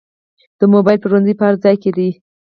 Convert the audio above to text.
د موبایل پلورنځي په هر ځای کې دي